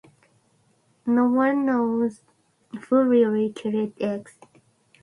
No one knows who really killed X.